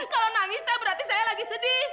kalau nangis teh berarti saya lagi sedih